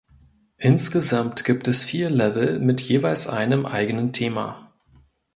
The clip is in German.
Insgesamt gibt es vier Level mit jeweils einem eigenen Thema.